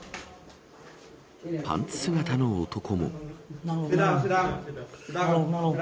パンツ姿の男も。